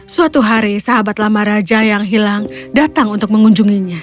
suatu hari sahabat lama raja yang hilang datang untuk mengunjunginya